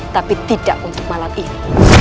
tapi tidak untuk malam ini